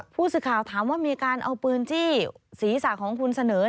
ผู้สื่อข่าวถามว่ามีการเอาปืนจี้ศีรษะของคุณเสนอ